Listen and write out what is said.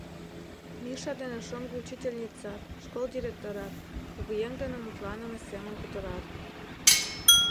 Миша дене шоҥго учительницат, школ директорат кугыеҥ дене мутланыме семын кутырат.